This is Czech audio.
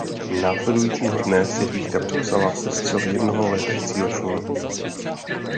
Následujícího dne si hlídka připsala sestřel jednoho létajícího člunu.